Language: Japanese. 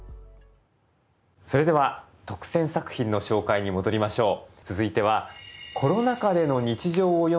それでは特選作品の紹介に戻りましょう。